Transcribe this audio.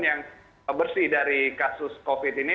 yang bersih dari kasus covid sembilan belas ini